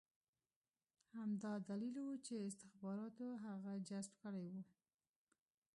همدا دلیل و چې استخباراتو هغه جذب کړی و